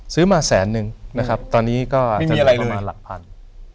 ซื้อมาแสนนึงนะครับตอนนี้ก็มีประมาณหลักพันธุ์